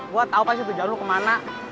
gue tahu pasti tujuan lo kemana